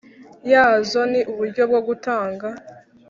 yazo Ni uburyo bwo gutanga